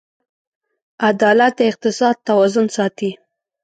عدالت د اقتصاد توازن ساتي.